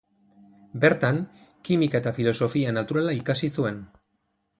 Bertan kimika eta filosofia naturala ikasi zuen.